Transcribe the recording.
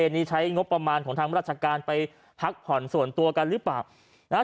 นี่ใช้งบประมาณของทางราชการไปพักผ่อนส่วนตัวกันหรือเปล่านะฮะ